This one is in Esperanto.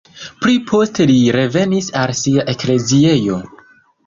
Pli poste li revenis al sia ekleziejo.